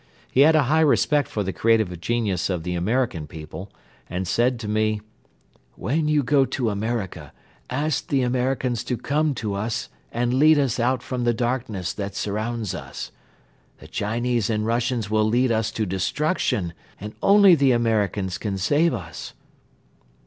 He had a high respect for the creative genius of the American people and said to me: "When you go to America, ask the Americans to come to us and lead us out from the darkness that surrounds us. The Chinese and Russians will lead us to destruction and only the Americans can save us."